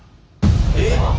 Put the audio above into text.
えっ？